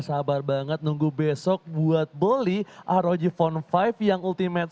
sabar banget nunggu besok buat boli rog phone lima yang ultimate